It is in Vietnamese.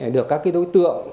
được các đối tượng